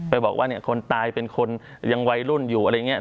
บอกว่าเนี่ยคนตายเป็นคนยังวัยรุ่นอยู่อะไรอย่างนี้